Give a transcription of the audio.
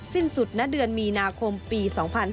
สิ้นสุดณเดือนมีนาคมปี๒๕๕๙